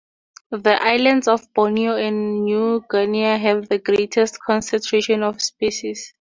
The islands of Borneo and New Guinea have the greatest concentration of species.